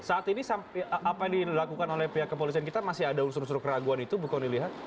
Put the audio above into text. saat ini apa yang dilakukan oleh pihak kepolisian kita masih ada unsur unsur keraguan itu bu kony lihat